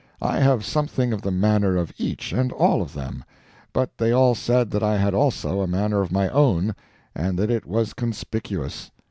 I have something of the manner of each and all of them; but they all said that I had also a manner of my own, and that it was conspicuous.